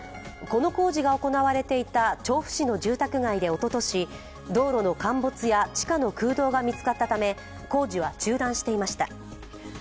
この工事が行われていた調布市の住宅街でおととし、道路の陥没や地下の空洞が見つかったため工事は中断していました。